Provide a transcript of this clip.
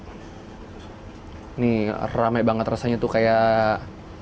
ini rame banget rasanya tuh kayak